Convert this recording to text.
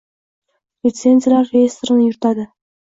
listenziyalar reestrini yuritadi;